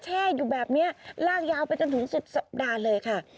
แช่อยู่แบบนี้ลากยาวไปจนถึงสุดสัปดาห์เลยค่ะ